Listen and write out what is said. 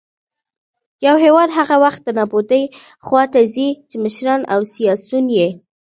يـو هـېواد هـغه وخـت د نـابـودۍ خـواتـه ځـي ،چـې مـشران او سـياسيون يـې